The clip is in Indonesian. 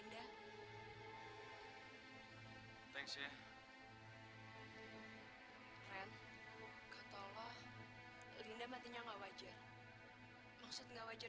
ntar lagi juga nyampe